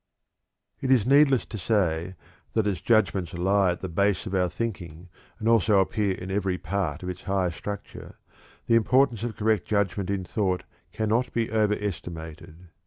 '" It is needless to say that as judgments lie at the base of our thinking, and also appear in every part of its higher structure, the importance of correct judgment in thought cannot be overestimated.